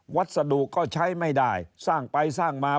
วัสดุก็ใช้ไม่ได้สร้างไปสร้างมา